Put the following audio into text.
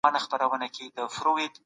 ملګري مي وویل چي دا یو ښه فرصت دی.